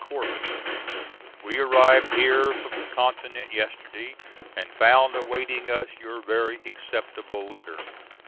CORBIN: We arrived here from the Continent yesterday, and found awaiting us your very acceptable letter.